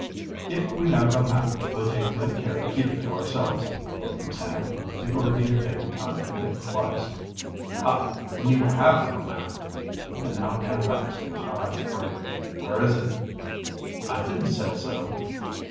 "If we have a map we'll take good care to keep it to ourselves," came from Sam, before he had taken time to think twice. "Ha! then you have a map!" And now Dan Baxter's eyes brightened. "Where is it?" "I didn't say so."